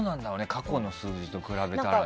過去の数字と比べたら。